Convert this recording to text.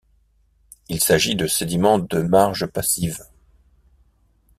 Il s'agit de sédiments de marge passive.